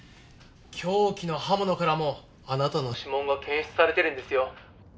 凶器の刃物からもあなたの指紋が検出されてるんですよ。